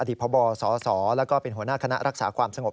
พบสสแล้วก็เป็นหัวหน้าคณะรักษาความสงบ